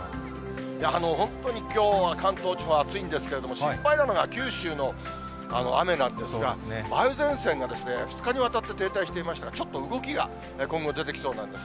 本当にきょうは関東地方、暑いんですけど、心配なのが九州の雨なんですが、梅雨前線が２日にわたって停滞していましたが、ちょっと動きが今後出てきそうなんです。